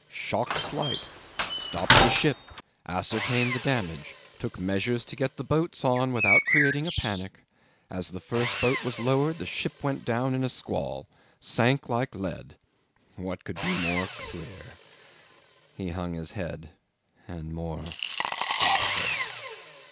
... "Shock slight. Stopped the ship. Ascertained the damage. Took measures to get the boats out without creating a panic. As the first boat was lowered ship went down in a squall. Sank like lead. ... What could be more clear" ... he hung his head ... "and more awful?"